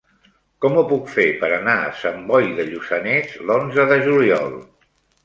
Com ho puc fer per anar a Sant Boi de Lluçanès l'onze de juliol?